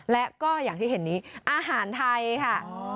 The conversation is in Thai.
และก็อย่างที่เห็นนี้อาหารไทยค่ะ